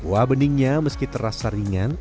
kuah beningnya meski terasa ringan